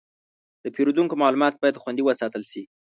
د پیرودونکو معلومات باید خوندي وساتل شي.